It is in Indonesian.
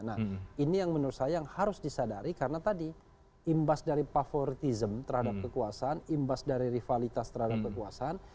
nah ini yang menurut saya yang harus disadari karena tadi imbas dari favoritism terhadap kekuasaan imbas dari rivalitas terhadap kekuasaan